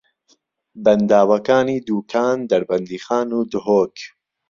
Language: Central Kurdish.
بەنداوەکانی دووکان، دەربەندیخان و دهۆک